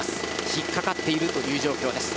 引っかかっている状況です。